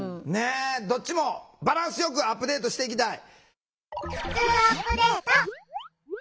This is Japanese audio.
どっちもバランスよくアップデートしていきたい。